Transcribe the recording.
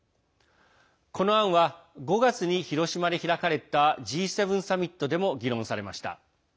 この案は、５月に広島で開かれたＧ７サミットでも議論されました。